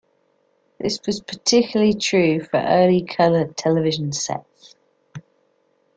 This was particularly true for early color television sets.